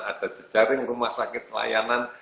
ada jejaring rumah sakit layanan